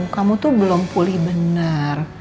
kamu tuh belum pulih benar